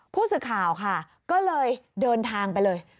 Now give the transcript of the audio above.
ผู้สื่อข่าวค่ะก็เลยเดินทางไปเลย